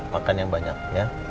makan yang banyak ya